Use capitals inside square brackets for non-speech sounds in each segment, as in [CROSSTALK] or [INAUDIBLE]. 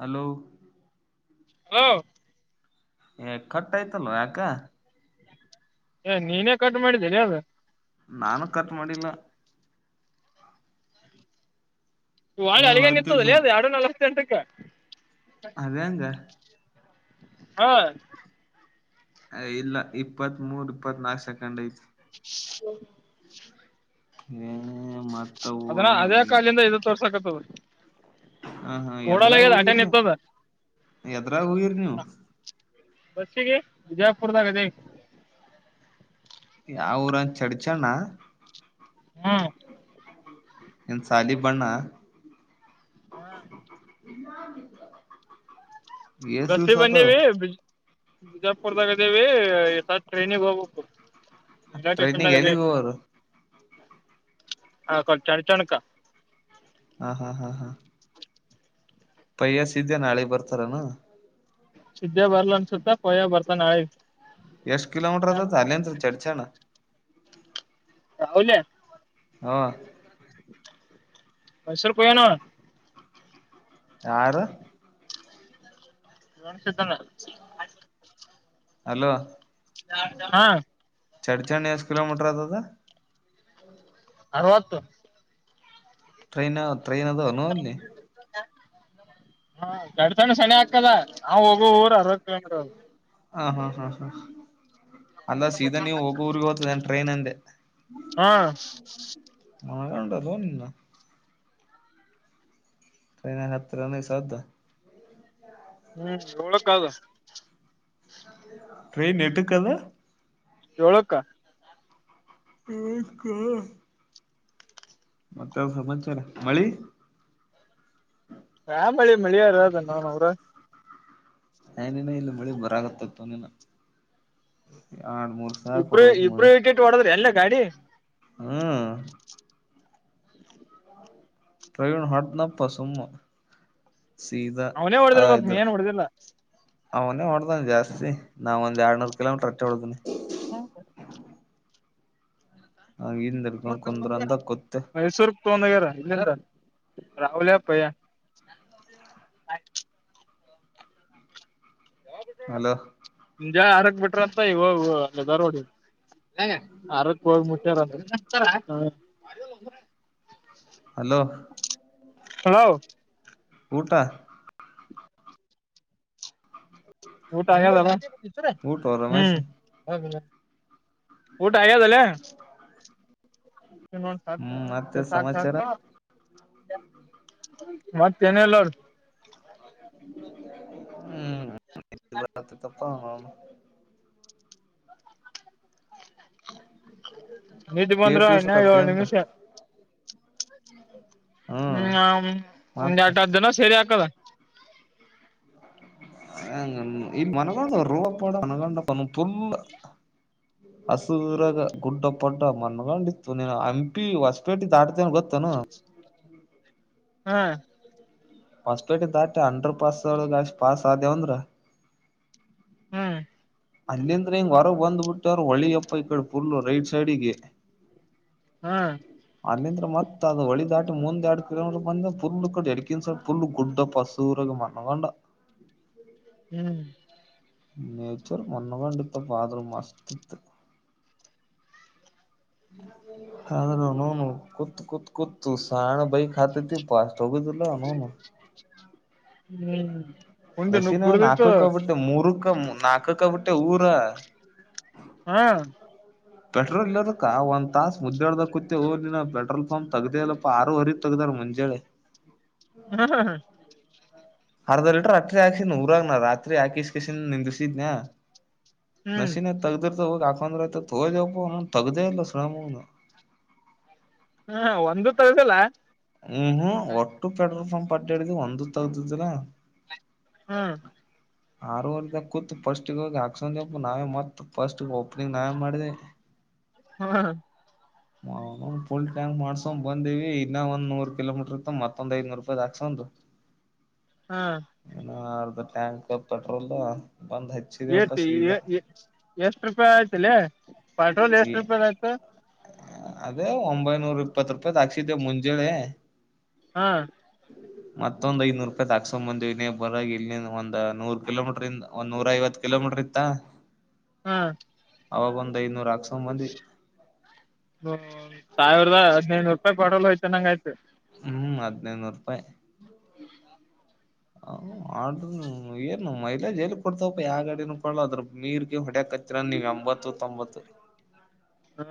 Hello ಹ ಏ ಕಟ್ಯ್ತಲ್ವ ಯಾಕ ಏ ನೀನೇ ಕಟ್ ಮಾಡಿದ್ದೀನೆ ಅವಾಗ ನಾನು ಕಟ್ ಮಾಡಿಲ್ಲ ಇವಾಗ ಹ ಅಲ್ಲಿಗ ಮತ್ತಸ ನಿತ್ತದಲ್ಲೇ ಅ ಎರಡು ನಲ್ವತ್ತ ಎಂಟಕ್ಕೆ ಅದೆಂಗ ಹಾ ಇಲ್ಲ ಇಪ್ಪತ್ ಮೂರ್ ಇಪ್ಪತ್ ನಾಲ್ಕು ಸೆಕೆಂಡ್ ಐತಿ ಹೂ ಇನ್ನೂ ಏನಿಲ್ಲ ಅದನ್ನ ಅದೇ ಕಾಲಿಂದ ಇದು ತೋರ್ಸಕತ್ತದ ಹ ಹಾ ಎಡ್ರಾಗ್ ಓಡಲಾಗ್ಯದ ಅಟೆ ಹೋಗಿರಿ ನೀವು ನಿಂತದ ಎಡ್ರಗ್ ಹೋಗಿರಿ ನೀವು ಬಸ್ಗೆ ಬಿಜಾಪುರ್ದಾಗ ಆದಿವಿ ಅವರಂದ ಚಡ್ಚಣ್ಣ ಹಾ ನ್ ಸಾಲಿ ಬಣ್ಣ ಹಾ ನಿಜ ಬಸ್ ಗೆ ಬಂದಿವಿ ಬಿಜಾಪುರ್ದಾಗ ಇದೇವಿ ಸ ಟ್ರೈನಿಗೆ ಹೋಗಬೇಕು ರೈಲ್ ವೆ ಸ್ಟೇಷನ್ ಟ್ರೈನಿಗೆ ದಾಗಾ ಎಲ್ಲಿಗ್ ಆದಿವಿ ಹೋಗೋರು ಆ ಕೊಚ ಅಳ ಚಣಕ್ಕಾ ಹಾ ಹಾ ಹಾ ಹಾ ಪೈ್ಯಾಸ ಇದ್ದ್ಯ ನಾಳೆಗ್ ಬರ್ತಾರನು ಸುದಿದ್ದ್ಯ ಬರ್ಲ ಅನ್ಸುತ್ತಾ ಕೊಯ ಬರ್ತಾನೆ ಆಯತು ಎಷ್ಟ ಕಿಲೋಮೀಟರದ ಅಲ್ಲಿಂದ ಚರ್ಚು ಹೌಲಾ ಹಾ ಮೈಸೂರು ಗೆ ಹೋಗ್ತೀನಿ ನೋಡು ಯಾರ ಇಾನ ಸ್ಧಂಗ ಹಲೋ ಹಾ ಚಡ್ಚಂಡ ಎಷ್ಟ ಕಿಲೋಮೀಟರ್ ಅದ ಅದು ಅರವತ್ತು ಟ್ರೈನ್ ಟ್ರೈನ್ ಅದನುೋ ಅಲ್ಲಿ ಹ ಗಡ್ ಸಣ್ಣ ಸಣೆ ಹಾಕದ ನಾವು ಹೋಗುವ ಊರ್ ಅರ್ವತ್ ಕಿಲೋಮೀಟರ್ ಹಾ ಹಾ ಹಾ ಹಾ ಅಲ್ಲ ಸೀದಾ ನೀವು ಹೋಗರ್ಿಗೆ ಹೋಗ್ತದ ಟ್ರೈನ್ ಅಂದೆ ಹಾ [UNINTELLIGIBLE] [UNINTELLIGIBLE] ಹ್ಮ್ ಏಳಕ್ಕ ಅದ ಟ್ರೈನ್ ಎಟ್ಟಕದ. ಏಳುಕ ಹಷ್ಟಕ ಮತ್ತೆ ಸಮಾಚಾರ ಮಳಿ ರ ಮಳಿ ಮಳಿಯಾರ ಅದನ್ನು ನೂರ ನೀಿನ ಇಲ್ಲಿ ಬಳಿ ಬರಗತ್ತತ್ತು ನೀಿನ ಇಬ್ರು ಇಬರು ಟೇಟ್ ಒಡದ್ರಿ ಅಲ್ಲ ಗಾಡಿ ಹೂ ಪ್ರವೀಣ್ ಹೊಡ್ದನಪ್ಪ ಸುಮ್ಮ ಸೀದಾ ಅವನೇ ಆ ಹೊಡದಿರ್ಬಕ್ ನೀ ಅದು ಏನ್ ಹೊಡದಿಲ್ಲ ಅವನೇ ಹೂಡ್ದಾನ ಜಾಸ್ತಿ ನಾವ ಒಂದ ಎರಡ್ನೂರು ಕಿಲೋಮೀಟರ್ ಹಟ್ಟೆ ಹೊಡ್ದನಿ. [INAUDIBLE] ಹಿಂದ ಹಿಡ್ಕೊಂಡ್ ಕುಂದ್ರ ಅಂದ ಕೂತ್ತೆ ಮೈಸೂರು. [UNINTELLIGIBLE] ಹಲೋ ಮುಜಾಲೆ ಆರಕ್ಕ ಬಿಟ್ರ ಅಂತ್ ಹ್ ಅ ದರೋಡಿ. ಆರಕ್ಕ ಹೋಗಿ ಮುಟ್ಟೈರ್ ಅಂತ್. ಹಲೋ. ಹಲೋ. ಊಟ. ಊಟ ಆಗ್ಯದಲಾ ಊಟ ರಮೇಶ್ ಹ್ಮ್. ಊಟ ಆಗ್ಯದಲಾ. [UNINTELLIGIBLE] ಹ್ಮ್ ಮತ್ತೆ ಸಮಾಚಾರ ಮತ್ತ ಏನ್ ಇಲ್ ನೋಡ್. ಹ್ಮ್ ಬರತ್ತಪ್ಪ ನಿದ್ದಿ ಎಸ್ ಬಂದ್ರಾ ದಿವ್ಸ ಇನ್ನ ಏಳ ತಪ್ಪೇಂತ ನಿಮಿಷ. ಹ್ಮ್ ಒಂದ್ ಮತ್ತ ಎಟ ಜನ ಸೇರಿ ಹಾಕದ. [UNINTELLIGIBLE] [INAUDIBLE] ಹಸುರಾದ ಗುಡ್ಡ ಪಡ್ಡ ಮನ್ಗೊಂಡಿತ್ತು ನೀನು ಹಂಪಿ ಹೊಸಪೇಟಿ ದಾಡ್ತನ್ ಗೊತ್ತನು. [INAUDIBLE] ಹ್ಮ್. ಹೊಸ್ಪೇಟೆ ದಾಟಿ ಅಂಡರ್ ಪಾಸ್ ಒಳಗ ಅಷ್ಟ್ ಪಾಸ್ ಆದೇವಂದ್ರ. ಹ್ಮ್. ಅಲ್ಲಿಂದ್ರ ಇಂಗ್ ಹೊರಗ್ ಬಂದ್ಬಿಟ್ಟವ್ರ ಹೊಳಿಯಪ್ಪ ಈ ಕಡೆ ಪುರ್ಲ್ಲ ರೈಟ್ ಸೈಡಿಗೆ. ಹಾ. ಅಲ್ಲಿಂದ್ರ ಮತ್ ಅದು ಹೊಳಿ ದಾಟಿ ಮುಂದೆ ಎರಡು ಕಿಲೋಮಟರ್ ಬಂದ ಪುಲ್ ಕಡೆ ಎಡಕನ್ ಸಲ್ ಪುಲ್ ಗುಡ್ಡಪ್ಪ. ತೂರಗ ಮಣಗಂಡ. ಹ್ಮ್. ನೇಚರ್ ಮನ್ನಗಂಡ್ ಇತ್ತ ಆದ್ರ ಮಸ್ತ್ ಇತ್ತು. ಹದ ನನು ಕೂತ್ ಕುೂತ್ ಕುೂತ್ ಸಾಣ ಭೈತೆೀ ಪಾಸ್ಟ್ ಹೋಗಿ [UNINTELLIGIBLE] ಹ್ಮ್. ಉಂಡಿ ನುಗ್ ನಸಿನ ಗುಡ್ದಿತ್ತು ನಾಲ್ಕಕ್ಕಬುಟ್ಟೆ ಮುರುಕ ನಾಲ್ಕಕ್ಕಬುಟ್ಟೆ ಊರ. ಹಾ. ಪೆಟ್ರೋಲ್ ಇಲ್ಲದಕ್ಕ ಒಂದ ತಾಸ ಮುದ್ದ್ಯಾಡ್ದ ಕುುತ್ತವು ಪೆಟ್ರೋಲ್ ಪಂಪ್ ತಗ್ದೇ ಇಲ್ಲಪ್ಪಾ ಆರುವರಿ ತೆಗ್ದ. ಮಂಜಳೆ. [INAUDIBLE] [INAUDIBLE] ಅರ್ಧ ಲೀಟ್ರ ರಾತ್ರಿ ಹಾಕಸಿದ ಊರಾಗನ ರಾತ್ರಿ ಹಾಕಿಸಕಸನ್ ನಿಂದ್ರಿಸಿದ್ನ. ಹ್ಮ್ ನಶೀನ ತೆಗದರತ್ವ. ಹಂದ್ರತ ತೋಪ್ಪ ನ ತಗದೆೇ ಇಲ್ಲ ಶ್ರಾಮ ಹ್ಮ ಒಂದು ತರದಲ್ಲ ಹ್ಮ್ ಹ್ಮ ಒಟ್ಟು ಪೆಟ್ರೋಲ್ ಪಂಪ್ ಅಡ್ಡ ಆಡಿಧಿವಿ ಒಂದು ತಗ್ದಿದ್ದಿಲ್ಲ. ಹ್ಮ್. ಆರವರೆದ ಕೂತ್ ಫಸ್ಟ್ ಹೋಗಿ ಹಕ್ಸಂದಪ್ಪ ನಾವೇ ಮತ್ ಫಸ್ಟ್ ಹ ಹಾ. ನ ಪುಲ್ ಟ್ಯಾಂಕ್ ಮಾಡ್ಸಕೊಂಡ್ ಬಂದೇವಿ. ಇನ್ನ ಒಂದ ನೂರು ಕಿಲೋಮೀಟರ್ ಇತ್ತ ಮತ್ತೊಂದ ಐದನೂರು ರೂಪಾಯಿ್ ಹಾಕ್ಸದು. ಹಾ. ಹ ಅರ್ಧ ಟ್ಯಾಂಕ್ ಪೆಟ್ರೋಲ್. ಬಂದ್ ಹಚ್ಚಿದೇವಪ್ಪ ಏತಿ ಸೀದಾ ಎಷ್ಟ ರೂಪಾಯಿ ಆಯ್ತಲ್ಲ ಪೆಟ್ರೋಲ್ ಎಷ್ಟ ರೂಪಾಯ ಆಯ್ತು ಅದೇ ಒಂಬೈನೂರ ಇಪ್ಪತ್ ರೂಪಾಯಿ ಹಾಕ್ಸಿದ್ದೆ ಮುಂಜಳೆ ಹಾ ಮತ್ತೊಂದ್ ಐನೂರು ರೂಪಾಯಿ ತ ಹಾಕ್ಸ್ಕೊಂಡ್ ಬಂದ್ವ ನೀ ಬರ ಇಲ್ಲಿ ಒಂದ ನೂರ್ ಕಿಲೋಮೀಟರ್ ಇಂದ ಒಂದ ನೂರ ಐವತ್ತು ಕಿಲೋಮೀಟರ್ ಇತ್ತ ಹಾ ಹ ಒಂದ ಐನೂರಾ ಹ್ಮ ಸಾವಿರದ ಹದ್ನೈನೂರು ರೂಪಾಯಿ ಪೆಟ್ರೋಲ್ ಹಯ್ತ ನಂಗ ಆಯ್ತು ಹದಿನೈನೂರು ರೂಪಾಯಿ [UNINTELLIGIBLE] ಹ ಆರು ಏನು ಮೈಲೇಜ್ ಎಲ್ಲಿ ಕೊಡ್ತಾವಪ್ಪ ಯಾವ ಗ ಅಡಿನ ಕೊಡ ಅದ್ರ ಮೀರ್ಗೆ ಹೊಡೆಚ್ಚ ನ್ ನಿಗ ಎಂಬತ್ತು ತೊಂಬತ್ತು ಹ್ಮ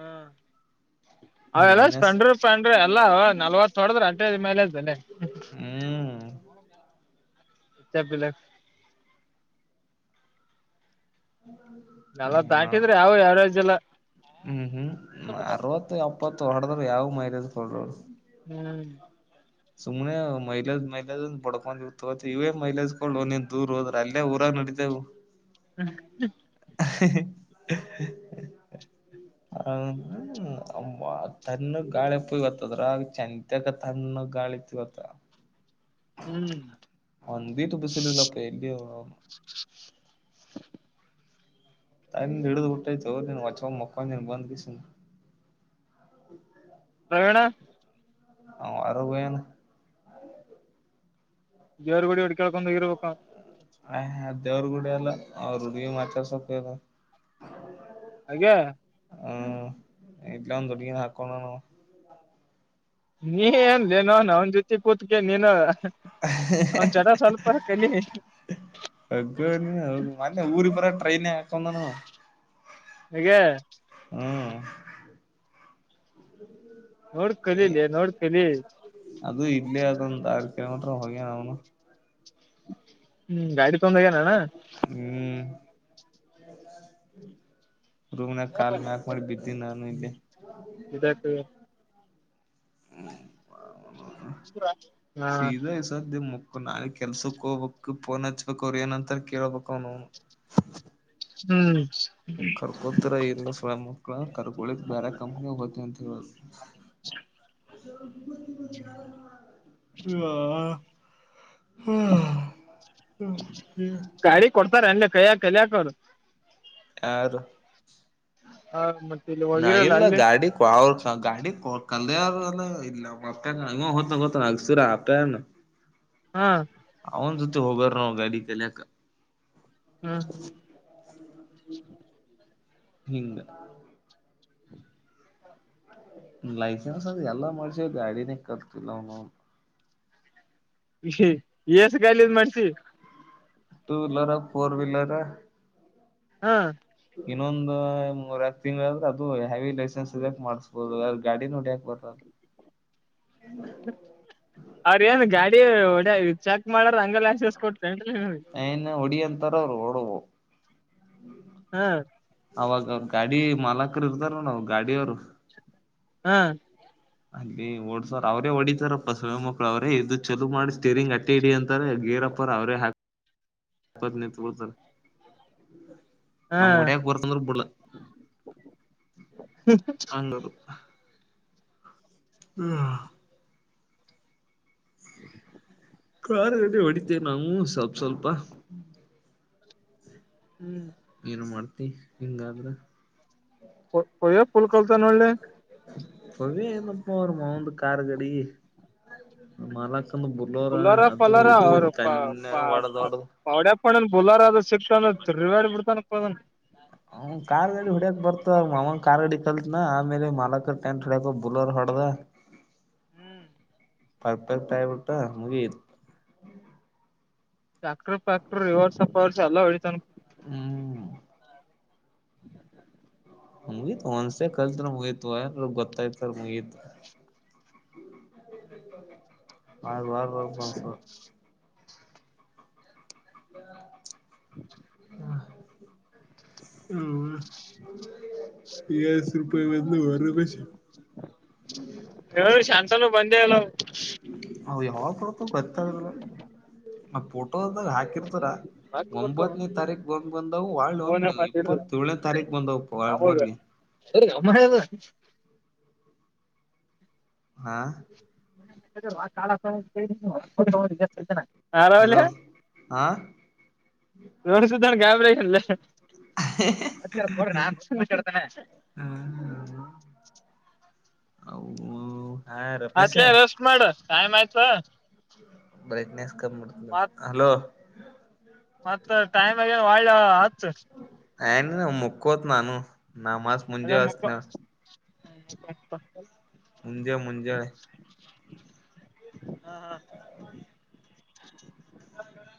ಅವೆಲ್ಲ ಎನ್ ಎಸ್ ಸ್ಪಂಡ್ರರು ಸ್ಂಡ್ರಿ ಎಲ್ಲಾ ನಲ್ವತ್ ತೊಡದ್ರ ಅಂಟೆ ಮೇಲೆದನ್ನೆ [UNINTELLIGIBLE] ಹ್ಮ್ ಎತ್ತ ಬಲ ನಲ್ಲ ದಾಟಿದ್ರೆ ಯಾವ ಯಾವ್ಯ್ಲ್ ಹ್ಮ್ ಹ್ಮ್ ಅರವತ್ತು ಎಪ್ಪತ್ತು ಹೊಡದ್ರ ಯಾವ್ ಮೈಲೇಜ್ ಕೊಡರು ಹ್ಮ್ ಸುಮ್ನೆ ಮೈಲಾಜ್ ಮೈಲಾಜ್ಂದ ಬಡ್ಕೊಂಡ್ರ್ತವ ಇವೇ ಮೈಲೇಜ ಒನನ್ ದೂರ್ ಹೋದ್ರ ಅಲ್ಲೇ ಊರ ನಡಿದ್ದೇವು ಹೌ ತಣ ಗಾಳಿ ಪಗತ್ತದ್ರ ಚಂತಗ ತ್ಣ ಗಾಳಿತ್ತು ಅತ್ರ ಹ್ಮ್ ಒಂದಿ ತುಪ್ಪಸಿಲ್ಲಲ್ಲ ಪ ಎಲ್ಲಿ ತ ನಿಡದ ಉಊಟಾಯತ ವಚ ಮುಕ್ ನೀ ಬಂದ ಕಸು ಪ್ರವೀಣ ಹ ಅರುಗನು ಬೇವರ್ ಗುಡಿ ಅಡ್ ಕಳ್ಕೊಂಡೋಗಿರ್ಬೇಕ ಆ ಅದೇವರುಗೂಡ ಅಲ್ಲ ಅವ್ರ ಹುಡ್ಗಿ ಮತಸೊಪ ಇಲ್ಲ [UNINTELLIGIBLE] ಹ್ಮ್ ಇಲ್ಲೊಂದು ಹುಡ್ಗಿ ನಾ ಅಕಂಡ್ವನ್ ನೀ ಏನ್ೇ ನೋನ್ ಅವನ್ ಜೊತಿ ಕೂತ್ಕ ನೀನು ಅವನ್ ಚಲ ಸ್ವಲ್ಪ ಕಲಿ ಹಗ್ಗ ಮನ್ನೆ ಊರಿ ಬರ ಟ್ರೈನ್ ಹಾಕಂದಾನ ಹಗೆ ಹ್ಮ್ ನೋಡ್ ಕಲೀಲಿ ನೋಡ್ ಕಲಿ ಅದು ಇಲ್ಲ ಅದ ತಾಪ ಕಲೋಮೀಟ ಹೋಗ ನ ಒನು ಹ್ಮ್ ಗಾಡಿ [UNINTELLIGIBLE] ಹ್ಮ್ ರೂಮ್ನಾಗ ಕಾಲ ಮ್ಯಾಕ್ ಮಾಡಿ ಬಿದ್ದಿ ನಾನು ಇಲ್ಲಿ ಇದಕ್ [INAUDIBLE] ಸೀದಾ ಸಧ್ಯ ಮು ನಾೆ ಕೆಲ್ಸಕ್ ಹೋಗ್ಬೇಕಕ್ ಪೋನ್ ಹಚ್ಬೇಕಕ್ ಅವ್ರ ಏನಂತಾರ ಕೇಳ್ಬೇಕ ಅವನು ಹ್ಮ್ ಕರ್ಕೋತರ ಇಲ್ಲ ಸಳ ಮಕ್ಳ ಕರ್ಕೊಳಿಕ್ ಬೇರೆ ಕಂಪ್ನಿ ಹೋತಿ ಅಂತ ಹೇಳ [INAUDIBLE] ವಾ ಗಾಡಿ ಕೊಡ್ತಾರ ಎ ಕಯ ಕಲಯಕ ಯಾರು ಹಾ ನಾ ಇಲ್ಲ ಗಾಡಿ ಅವ ಗಾಡಿ ಕೊಟ್ಟು ಕಲ್ದಾರ ಇಲ್ಲ [UNINTELLIGIBLE] ಹಾ ಅವನ್ ಜೊತೆ ಹೋಗಾರ ಗಾಡಿ ಕಲಿಯಕ ಹ್ಮ ಹ್ಮ ಹಿಂಗ [INAUDIBLE] ಲೈಸೆನ್ಸ್ ಅದ ಎಲ್ಲ ಮಾಡಸ ಗಾಡಿನೇ ಕಲ್ತಿಲ್ಲ ಅವನು ಎಸ್ಟ್ ಲೈಸೆಸಸ್ ಮಾಡ್ಸಿ ಟೂ ವೀಲರ ಫೋರ್ ವೀಲರ ಹ್ಮ ಇನ್ನೊಂದ ಮೂರಕ್ ತಿಂಗಳಾದ್ರೆ ಅದು ಹೆವಿ ಲೈಸೆನ್ಸ್ ಇದಕ್ ಮಾಡ್ಸ್ಬೋದು ಅ ಗಾಡಿನೆ ಹೊಡಿಯಾಕ್ ಬರಲ್ಲ ಅರೇ ಏನು ಗಾಡಿ ಹೊಡಿಯಾಕ್ ಹೊಡಿಯಂತಾರ ಅವರು ಓಡವು ಹಾ ಅವಾಗ ಅವರು ಗಾಡಿ ಮಾಲಕರು ಇರ್ತಾರೆ ನೋಡು ಗಾಡಿಯ ಅವರು ಹಾ ಅಲ್ಲಿ ಓಡ್ಸರ್ ಅವ್ರೇ ಹೊಡಿತಾರಪ್ಪ ಸೂಳೆಮಕ್ಳ ಅವ್ರೇ ಇದು ಚಲೋ ಮಾಡಿ ಸ್ಟೀರಿಂಗ್ ಅಟ್ಟೆ ಇಡಿ ಅಂತಾರೆ ಗೇರಪ್ಪರ ಅವೇ ಹಾಕಿ ನಿಂತ್ಕೋತಾರೆ ಹಾ ನಮ್ಮಗೆ ಹೊಡಿಯಾಕೆ ಬರ್ತದೆ ಅಂದ್ರು ಬಿಡ್ಲಲ್ಲ ಹಂಗ ಅದು ಹ್ಮ ಕಾರು ಹೊಡಿತೇವೆ ನಾವು ಸ್ವಲ್ ಸ್ವಲ್ಪ ಹ್ಮ್ ಏನು ಮಾಡುತಿ ಹಿಂಗಾದ್ರ ಹೊಡಿಯಾಕ್ ಫುಲ್ ಕಲ್ತಾನಾ ನೋಡ್ಲೆ ಪವಿ ಏನಪ್ಪಾ ಅವರ ಮಾವನ ಕಾರ್ ಗಾಡಿ ಮಾಲ್ ಬುಲೋರ ಬುಲರ ಅದು ಪಲರ ಇದು ಅವ್ರು ತನ್ನೆ ಹೊಡೆದು ಹೊಡೆದು ಬುಲಾರ ಅದು ಸ್ವಿಫ್ಟ್ ತಿರ್ಗಾಡ್ತ ಬಿಡ್ತಾನಪ್ಪಾ ಅದನ್ನ ಅವ ಕಾರ್ಲ್ಲಿ ಹೊಡ್ಯಕ್ ಬರ್ತವನ ಕಾರ್ ಅಡಿ ಕಲ್ತ್ನ ಆಮೇಲೆ ಮಾಲಕರ್ ಟೆಂಟ್ ಹೊಡ್ಯಕ ಬುಲರ್ ಹೊಡ್ದ ಹ್ಮ್ ಪರ್ಫೆಕ್ಟ್ ಆಗಿಬಿಟ್ಟ ಮುಗಿತ್ ಟ್ರ್ಯಾಕ್ಟ ಪಾಕ್ಟರ್ ರಿವರ್ಸ್ ಪವರ್ಸ್ ಎಲ್ಲ ಹೊಡಿತನ ಹ್ಮ್ [UNINTELLIGIBLE] ಮುಗಿತು ಒಂದಸತಿ ಕಲಿತ್ರೆ ಮುಗಿತು ಎಲ್ ಗೊತ್ತಾಯ್ತಾರ ಮುಗೀತು ಹ್ಮ್ ಹೊಡೆದು ಹೊಡೆದು ಮಲಗಿಸು [UNINTELLIGIBLE] [UNINTELLIGIBLE] ಹ್ಮ [UNINTELLIGIBLE] ಹೇಳಿ ಶಂತಾನೂ ಬಂದೇಯಿಲ್ಲ ಯಾವಾಗ ಬರುತೋ ಗೊತ್ತೆಹಾಗಲ್ಲ ಮತ್ ಪೋಟೋದಾಗ ಹಾಕಿರ್ತಾರ ಮತ್ ಬರ್ತಾವ ಒಂಬತ್ತನೇ ತಾರೀಕ ಬಂದ್ ಬಂದವು ಫೋನ್ ಮಾತಾಡ್ರಿ ಇಪ್ಪತ್ತ ಏಳನೇ ತಾರೀಕ್ ಬಂದವು [UNINTELLIGIBLE] ಸರಿ ನಮ್ಮ ಮನೇದು ಹ ಆ [UNINTELLIGIBLE] ಹಲೋ ಯಾರವ್ರೇ ಹಾ ನೋಡ ಸೂದನ್ ಗಾಬರಿ ಆಯ್ತನ್ಲೆ ಅಲ್ಲರ ನಾಷಡ್ತೇನೆ [UNINTELLIGIBLE] ಅವು ಹಾ ರಮೇಶ ಆತ್ಲೆ ರಸ್ಟ್ ಮಾಡ ಕಾಯ ಮಾಹಿತ ಬ್ರೈಟ್ನೆಸ್ ಕಮ್ಮ ಹಲೋ ಮತ್ತ ಟೈಮ್ ಆಗನ್ ಒಳ್ಳ ಹತ್ ನ ನ ಮುಕ್ಕೋತ್ ನಾನು ನ ಮಾಸ್ ಮುಂಜೆವಸ್ನೆ ಹಪ್ಪ ಮುಂಜೆ ಮುಂಜೆ ಹಾ ಹಾ